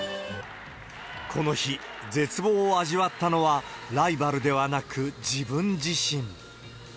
この日、絶望を味わったのは、ライバルではなく自分自身。